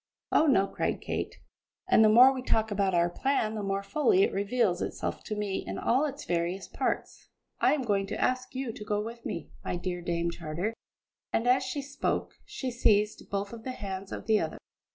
"Oh, no!" cried Kate; "and the more we talk about our plan the more fully it reveals itself to me in all its various parts. I am going to ask you to go with me, my dear Dame Charter," and as she spoke she seized both of the hands of the other.